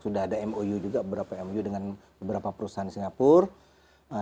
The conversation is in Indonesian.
sudah ada mou juga beberapa mou dengan beberapa perusahaan singapura